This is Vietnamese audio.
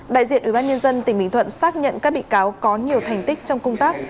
đại diện ubnd tỉnh bình thuận xác nhận các bị cáo có nhiều thành tích trong công tác